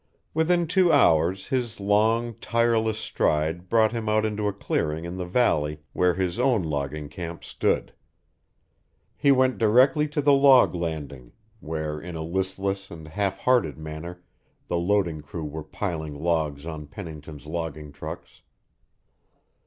Within two hours his long, tireless stride brought him out into a clearing in the valley where his own logging camp stood. He went directly to the log landing, where in a listless and half hearted manner the loading crew were piling logs on Pennington's logging trucks.